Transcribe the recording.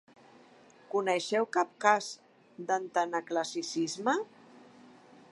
¿Coneixeu cap cas d'antanaclassicisme?